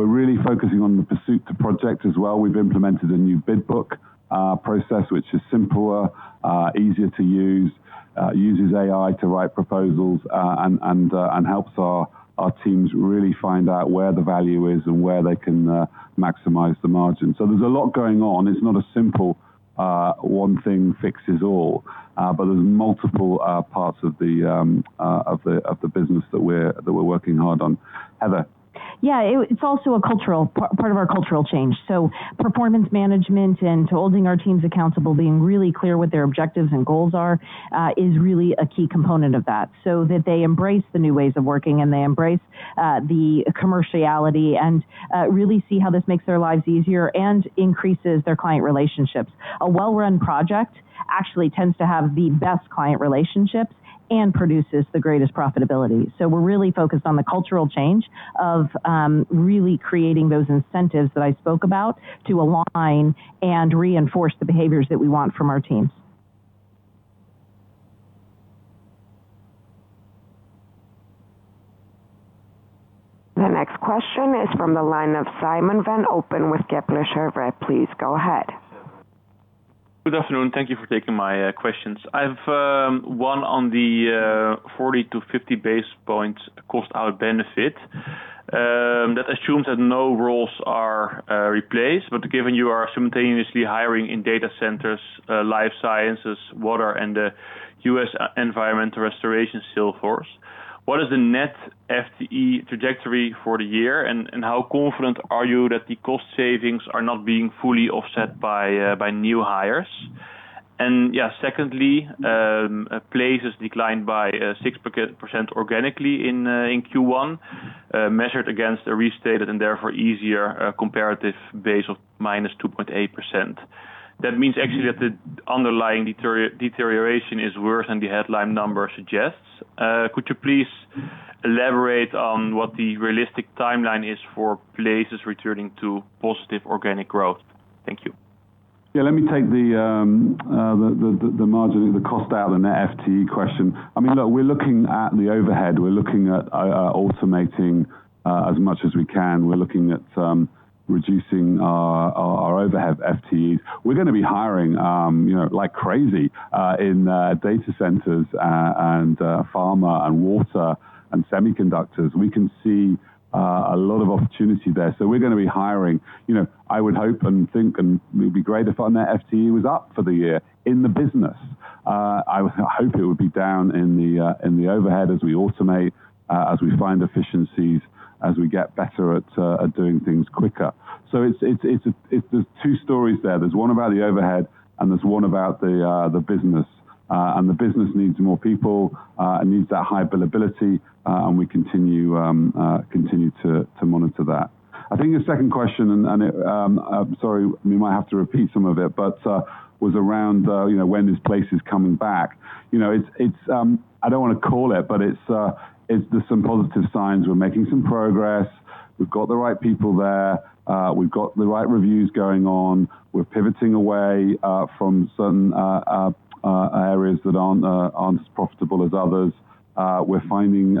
S4: really focusing on the pursuit to project as well. We've implemented a new bid book process, which is simpler, easier to use, uses AI to write proposals, and helps our teams really find out where the value is and where they can maximize the margin. There's a lot going on. It's not a simple one thing fixes all, but there's multiple parts of the business that we're working hard on. Heather.
S3: Yeah. It's also a cultural part of our cultural change. Performance management and holding our teams accountable, being really clear what their objectives and goals are, is really a key component of that, so that they embrace the new ways of working and they embrace the commerciality and really see how this makes their lives easier and increases their client relationships. A well-run project actually tends to have the best client relationships and produces the greatest profitability. We're really focused on the cultural change of really creating those incentives that I spoke about to align and reinforce the behaviors that we want from our teams.
S1: The next question is from the line of Simon Van Oppen with Kepler Cheuvreux. Please go ahead.
S11: Good afternoon. Thank you for taking my questions. I have one on the 40-50 basis points cost out benefit that assumes that no roles are replaced, but given you are simultaneously hiring in data centers, life sciences, water, and U.S. environmental restoration sales force, what is the net FTE trajectory for the year, and how confident are you that the cost savings are not being fully offset by new hires? Secondly, places declined by 6% organically in Q1, measured against a restated and therefore easier comparative base of minus 2.8%. That means actually that the underlying deterioration is worse than the headline number suggests. Could you please elaborate on what the realistic timeline is for places returning to positive organic growth? Thank you.
S4: Let me take the margin, the cost out and the FTE question. I mean, look, we're looking at the overhead. We're looking at automating as much as we can. We're looking at reducing our overhead FTEs. We're gonna be hiring, you know, like crazy, in data centers, and pharma and water and semiconductors. We can see a lot of opportunity there. We're gonna be hiring. You know, I would hope and think and it'd be great if our net FTE was up for the year in the business. I would hope it would be down in the overhead as we automate, as we find efficiencies, as we get better at doing things quicker. There's two stories there. There's one about the overhead, and there's one about the business. The business needs more people, it needs that high availability, and we continue to monitor that. I think the second question and it, I'm sorry, you might have to repeat some of it, was around, you know, when these places is coming back. You know, it's, I don't wanna call it's, it's there's some positive signs. We're making some progress. We've got the right people there. We've got the right reviews going on. We're pivoting away from certain areas that aren't as profitable as others. We're finding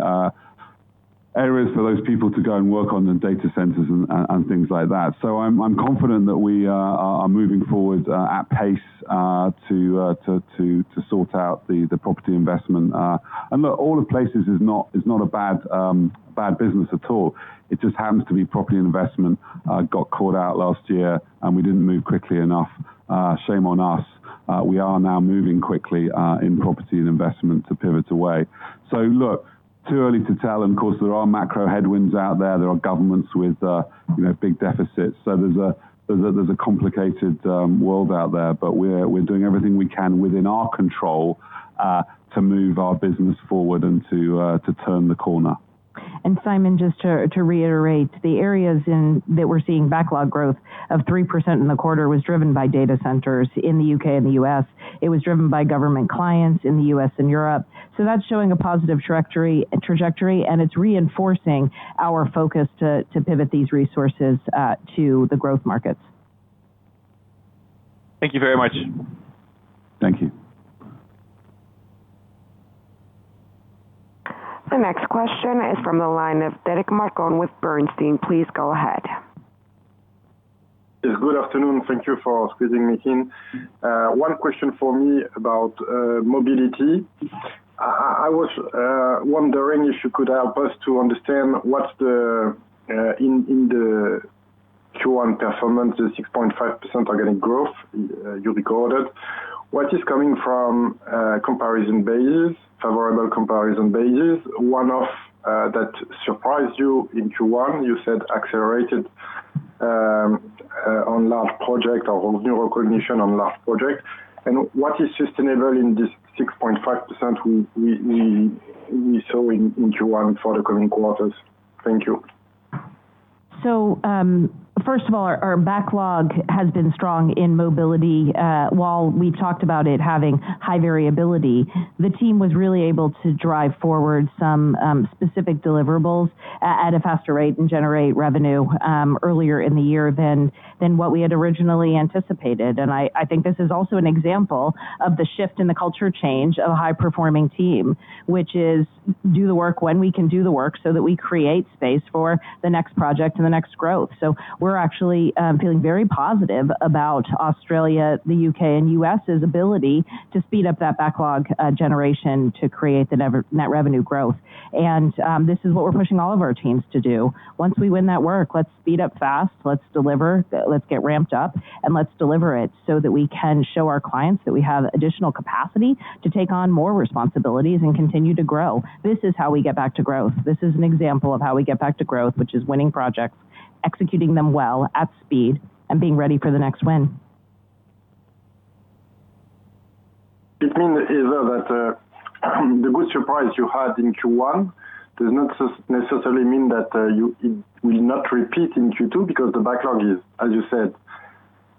S4: areas for those people to go and work on the data centers and things like that. I'm confident that we are moving forward at pace to sort out the property investment. Look, all the places is not a bad business at all. It just happens to be property investment got caught out last year, and we didn't move quickly enough. Shame on us. We are now moving quickly in property and investment to pivot away. Look, too early to tell, and of course, there are macro headwinds out there. There are governments with, you know, big deficits. There's a, there's a, there's a complicated world out there. We're, we're doing everything we can within our control to move our business forward and to turn the corner.
S3: Simon, just to reiterate, the areas that we're seeing backlog growth of 3% in the quarter was driven by data centers in the U.K. and the U.S. It was driven by government clients in the U.S. and Europe. That's showing a positive trajectory, and it's reinforcing our focus to pivot these resources to the growth markets.
S11: Thank you very much.
S4: Thank you.
S1: The next question is from the line of Derric Marcon with AllianceBernstein. Please go ahead.
S12: Yes, good afternoon. Thank you for squeezing me in. One question for me about mobility. I was wondering if you could help us to understand what's the in the Q1 performance, the 6.5% organic growth you recorded, what is coming from comparison basis, favorable comparison basis, one-off, that surprised you in Q1, you said accelerated, on large project or revenue recognition on large project. What is sustainable in this 6.5% we saw in Q1 for the coming quarters? Thank you.
S3: First of all, our backlog has been strong in mobility. While we talked about it having high variability, the team was really able to drive forward some specific deliverables at a faster rate and generate revenue earlier in the year than what we had originally anticipated. I think this is also an example of the shift in the culture change of a high-performing team, which is do the work when we can do the work so that we create space for the next project and the next growth. We're actually feeling very positive about Australia, the U.K., and U.S.'s ability to speed up that backlog generation to create the net revenue growth. This is what we're pushing all of our teams to do. Once we win that work, let's speed up fast, let's deliver, let's get ramped up, and let's deliver it so that we can show our clients that we have additional capacity to take on more responsibilities and continue to grow. This is how we get back to growth. This is an example of how we get back to growth, which is winning projects, executing them well at speed, and being ready for the next win.
S12: It means either that, the good surprise you had in Q1 does not necessarily mean that, it will not repeat in Q2 because the backlog is, as you said,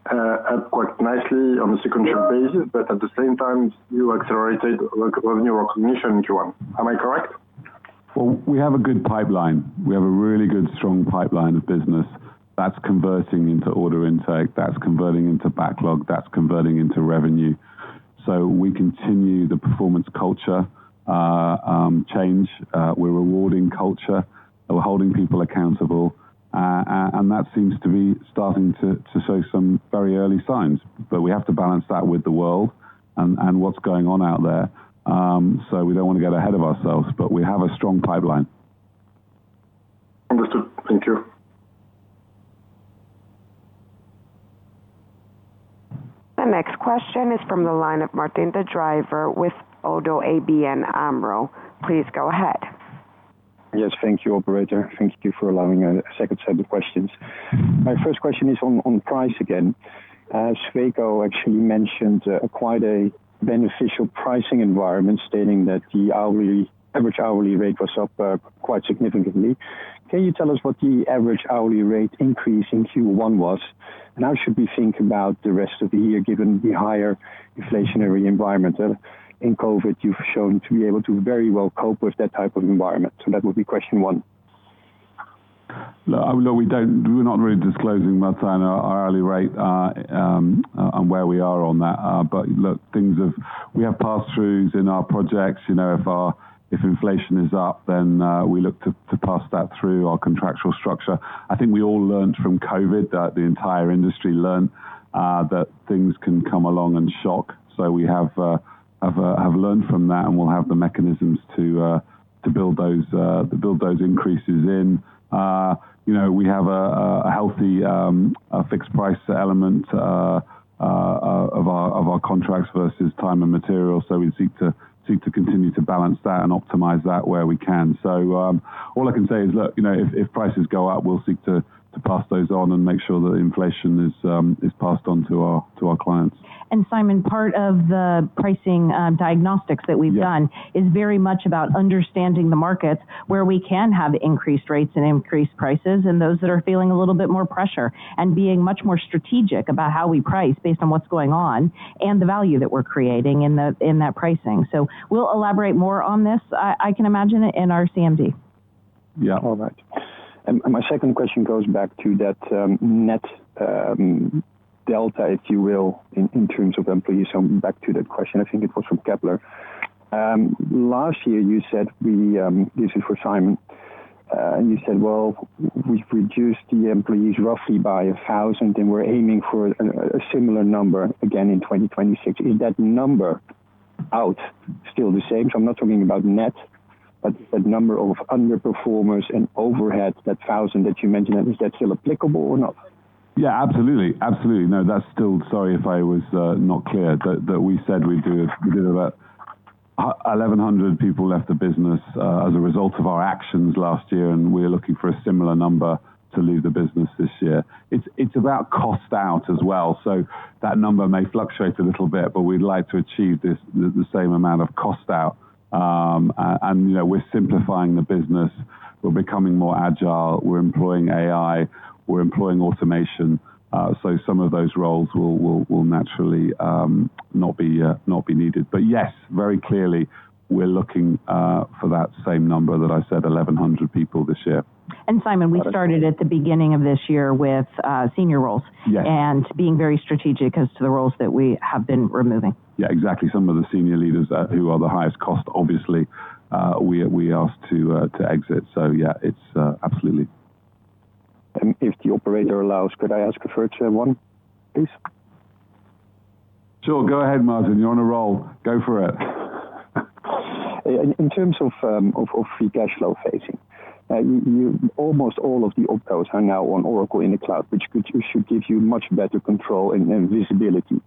S12: up quite nicely on a sequential basis. At the same time, you accelerated revenue recognition in Q1. Am I correct?
S4: We have a good pipeline. We have a really good, strong pipeline of business that's converting into order intake, that's converting into backlog, that's converting into revenue. We continue the performance culture change. We're rewarding culture. We're holding people accountable. That seems to be starting to show some very early signs. We have to balance that with the world and what's going on out there. We don't wanna get ahead of ourselves, but we have a strong pipeline.
S12: Understood. Thank you.
S1: The next question is from the line of Martijn Den Drijver with Oddo ABN AMRO. Please go ahead.
S6: Yes, thank you, operator. Thank you for allowing a second set of questions. My first question is on price again. Sweco actually mentioned quite a beneficial pricing environment, stating that the average hourly rate was up quite significantly. Can you tell us what the average hourly rate increase in Q1 was? How should we think about the rest of the year, given the higher inflationary environment? In COVID, you've shown to be able to very well cope with that type of environment. That would be question one.
S4: Look, we're not really disclosing, Martijn, our hourly rate and where we are on that. Look, we have pass-throughs in our projects. You know, if inflation is up, then we look to pass that through our contractual structure. I think we all learnt from COVID that the entire industry learnt that things can come along and shock. We have learnt from that, and we'll have the mechanisms to build those increases in. You know, we have a healthy fixed price element of our contracts versus tme and material. We seek to continue to balance that and optimize that where we can. All I can say is, look, you know, if prices go up, we'll seek to pass those on and make sure that inflation is passed on to our clients.
S3: Simon, part of the pricing, diagnostics that we've done.
S4: Yeah...
S3: is very much about understanding the markets where we can have increased rates and increased prices and those that are feeling a little bit more pressure and being much more strategic about how we price based on what's going on and the value that we're creating in that pricing. We'll elaborate more on this, I can imagine, in our CMD.
S4: Yeah.
S6: All right. My second question goes back to that net delta, if you will, in terms of employees. Back to that question, I think it was from Kepler. Last year you said, this is for Simon, you said, "Well, we've reduced the employees roughly by 1,000, and we're aiming for a similar number again in 2026." Is that number out still the same? I'm not talking about net, but that number of underperformers and overhead, that 1,000 that you mentioned, is that still applicable or not?
S4: Yeah, absolutely. Absolutely. No, that's still. Sorry if I was not clear. That we said we'd do, we did about 1,100 people left the business as a result of our actions last year, and we're looking for a similar number to leave the business this year. It's about cost out as well. That number may fluctuate a little bit, but we'd like to achieve this, the same amount of cost out. You know, we're simplifying the business. We're becoming more agile. We're employing AI. We're employing automation. Some of those roles will naturally not be needed. Yes, very clearly, we're looking for that same number that I said, 1,100 people this year.
S3: Simon, we started at the beginning of this year with senior roles.
S4: Yes.
S3: Being very strategic as to the roles that we have been removing.
S4: Yeah, exactly. Some of the senior leaders, who are the highest cost, obviously, we asked to exit. Yeah, it's, absolutely.
S6: If the operator allows, could I ask a third one, please?
S4: Sure. Go ahead, Maarten. You're on a roll. Go for it.
S6: In terms of free cash flow phasing, you almost all of the opcos hang out on Oracle in the cloud, which should give you much better control and visibility.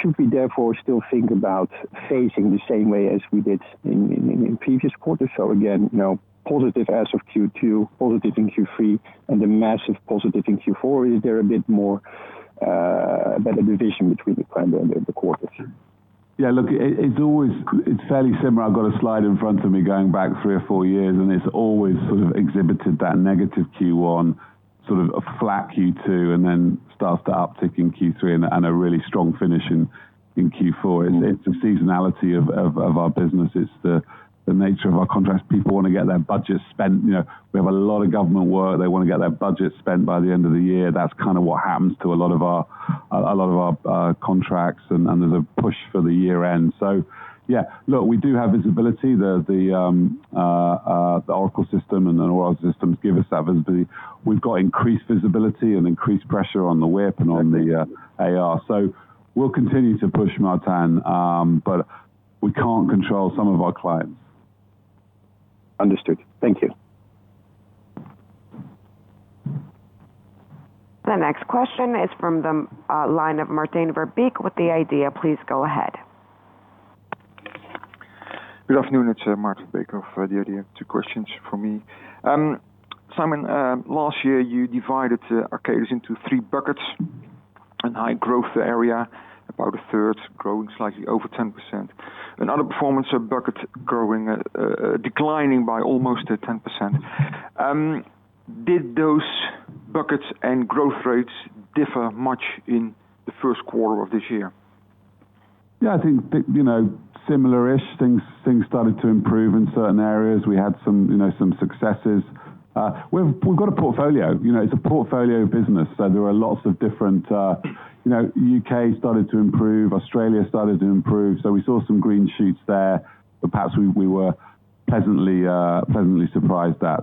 S6: Should we therefore still think about phasing the same way as we did in previous quarters? Again, you know, positive as of Q2, positive in Q3, and a massive positive in Q4. Is there a bit more better division between the kind of quarters?
S4: It's always fairly similar. I've got a slide in front of me going back three or four years, and it's always sort of exhibited that negative Q1, sort of a flat Q2, then starts to uptick in Q3 and a really strong finish in Q4. It's the seasonality of our business. It's the nature of our contracts. People wanna get their budget spent. You know, we have a lot of government work. They wanna get their budget spent by the end of the year. That's kind of what happens to a lot of our contracts, and there's a push for the year-end. Yeah. We do have visibility. The Oracle system and all our systems give us that visibility. We've got increased visibility and increased pressure on the WIP and on the AR. We'll continue to push, Maarten, but we can't control some of our clients.
S6: Understood. Thank you.
S1: The next question is from the line of Maarten Verbeek with The Idea. Please go ahead.
S13: Good afternoon. It's Maarten Verbeek of The Idea. Two questions from me. Simon, last year you divided Arcadis into three buckets. A high growth area, about a third, growing slightly over 10%. Another performance of bucket growing, declining by almost 10%. Did those buckets and growth rates differ much in the first quarter of this year?
S4: I think, you know, similar-ish things. Things started to improve in certain areas. We had some, you know, some successes. We've got a portfolio. You know, it's a portfolio business, so there are lots of different. You know, U.K. started to improve, Australia started to improve, so we saw some green shoots there that perhaps we were pleasantly surprised at.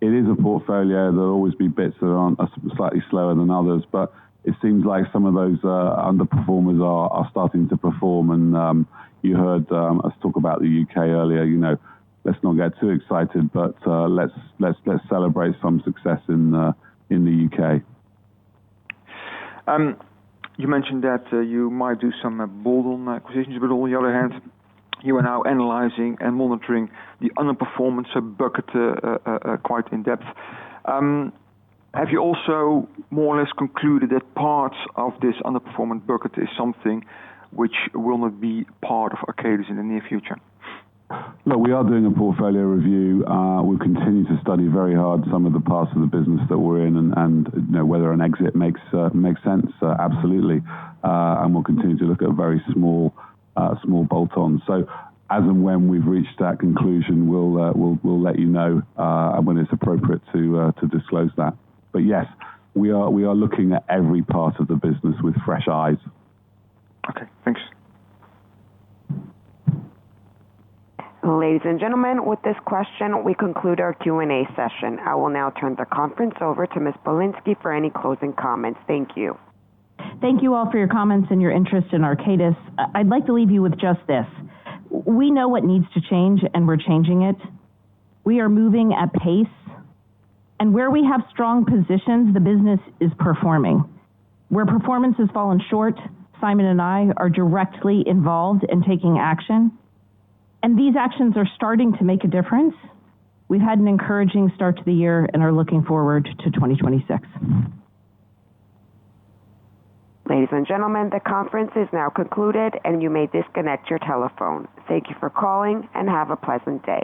S4: It is a portfolio. There'll always be bits that aren't slightly slower than others. It seems like some of those underperformers are starting to perform and you heard us talk about the U.K. earlier. You know, let's not get too excited, let's celebrate some success in the U.K.
S13: You mentioned that you might do some bold on acquisitions, but on the other hand, you are now analyzing and monitoring the underperformance of bucket quite in depth. Have you also more or less concluded that parts of this underperformance bucket is something which will not be part of Arcadis in the near future?
S4: Look, we are doing a portfolio review. We continue to study very hard some of the parts of the business that we're in and, you know, whether an exit makes sense, absolutely. We'll continue to look at very small bolt-ons. As and when we've reached that conclusion, we'll let you know, when it's appropriate to disclose that. Yes, we are looking at every part of the business with fresh eyes.
S13: Okay. Thanks.
S1: Ladies and gentlemen, with this question, we conclude our Q&A session. I will now turn the conference over to Ms. Polinsky for any closing comments. Thank you.
S3: Thank you all for your comments and your interest in Arcadis. I'd like to leave you with just this. We know what needs to change, and we're changing it. We are moving at pace, and where we have strong positions, the business is performing. Where performance has fallen short, Simon and I are directly involved in taking action, and these actions are starting to make a difference. We've had an encouraging start to the year and are looking forward to 2026.
S1: Ladies and gentlemen, the conference is now concluded, and you may disconnect your telephone. Thank you for calling, and have a pleasant day.